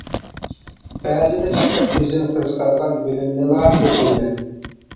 بەزىدە پەقەت ئۆزۈم قىزىقىدىغان بۆلۈمنىلا ئوقۇيمەن.